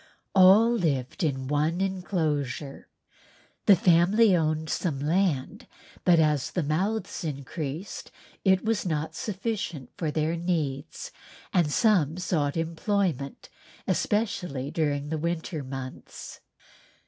All lived within one enclosure. The family owned some land but as the mouths increased it was not sufficient for their needs and some sought employment, especially during the winter months.